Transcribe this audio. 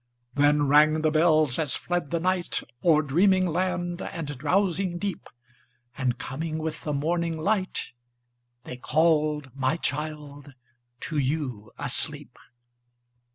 Then rang the bells as fled the night O'er dreaming land and drowsing deep, And coming with the morning light, They called, my child, to you asleep.